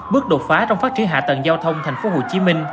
bước đột phá trong phát triển hạ tầng giao thông tp hcm